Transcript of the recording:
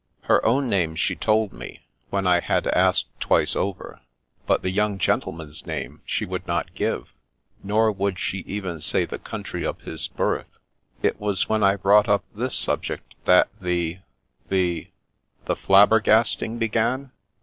Her own name she told me, when I had asked twice over, but the young gentleman's name she would not give, nor would she even say the country of his birth. It was when I brought up this subject that the — ^the "" The flabbergasting began